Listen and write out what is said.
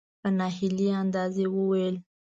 په نا هیلي انداز یې وویل .